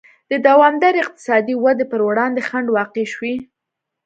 د دوامدارې اقتصادي ودې پر وړاندې خنډ واقع شوی.